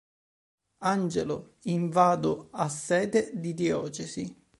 Angelo in Vado a sede di diocesi.